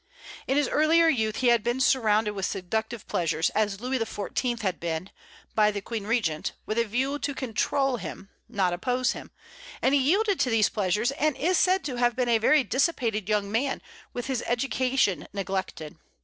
In his earlier youth he had been surrounded with seductive pleasures, as Louis XIV. had been, by the queen regent, with a view to control him, not oppose him; and he yielded to these pleasures, and is said to have been a very dissipated young man, with his education neglected.